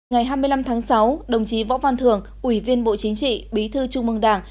ngày hai mươi năm tháng sáu đồng chí võ văn thường ủy viên bộ chính trị bí thư trung mương đảng